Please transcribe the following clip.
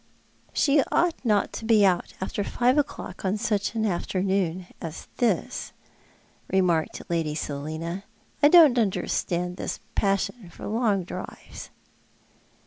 " She ought not to be out after five o'clock on such an after noon as this," remarked Lady Selina. "I don't understand this passion for long drives."